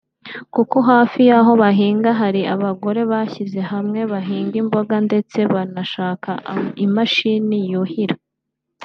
kuko hafi y’aho bahinga hari abagore bishyize hamwe bahinga imboga ndetse banashaka imashini yuhira